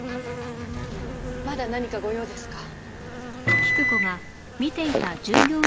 まだ何かご用ですか？